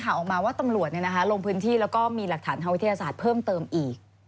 ออกมาว่าตำรวจลงพื้นที่แล้วก็มีหลักฐานทางวิทยาศาสตร์เพิ่มเติมอีก